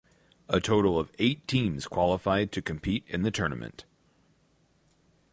A total of eight teams qualified to compete in the tournament.